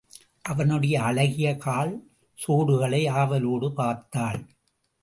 அவனுடைய அழகிய கால் சோடுகளை ஆவலோடு பார்த்தாள்.